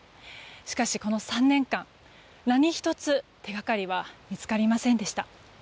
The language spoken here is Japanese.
しかし、この３年間何一つ手掛かりは見つかりませんでした。